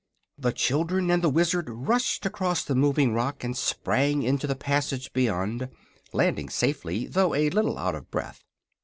The children and the Wizard rushed across the moving rock and sprang into the passage beyond, landing safely though a little out of breath.